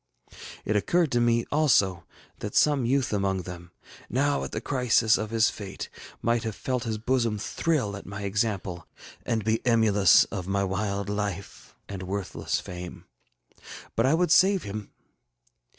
It occurred to me, also, that some youth among them, now at the crisis of his fate, might have felt his bosom thrill at my example, and be emulous of my wild life and worthless fame. But I would save him.